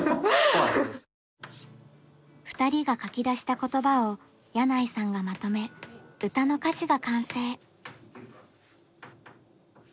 ２人が書き出した言葉を箭内さんがまとめ歌の歌詞が完成。